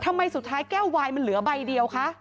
ทำไมสุดท้ายแก้ววายมันเหลือใบเดียวคะ